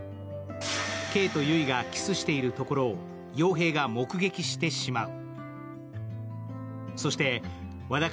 慧と結衣がキスをしているところを洋平が目撃してしまう。